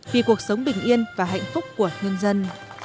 vì cuộc sống bình yên và hạnh phúc của nhân dân